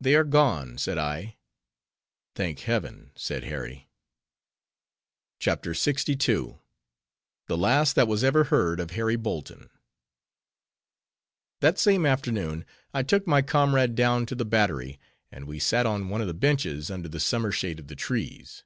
"They are gone," said I. "Thank heaven!" said Harry. CHAPTER LXII. THE LAST THAT WAS EVER HEARD OF HARRY BOLTON That same afternoon, I took my comrade down to the Battery; and we sat on one of the benches, under the summer shade of the trees.